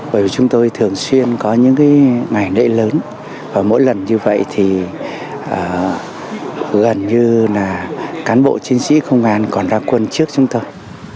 bởi vì chúng tôi thường xuyên có những ngày lễ lớn và mỗi lần như vậy thì gần như là cán bộ chiến sĩ công an còn ra quân trước chúng tôi